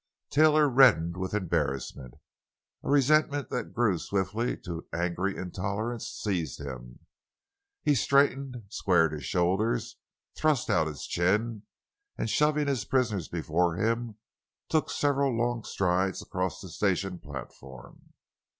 Taylor reddened with embarrassment. A resentment that grew swiftly to an angry intolerance, seized him. He straightened, squared his shoulders, thrust out his chin, and shoving his prisoners before him, took several long strides across the station platform.